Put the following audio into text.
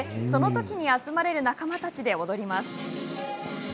そのときに集まれる仲間たちで踊ります。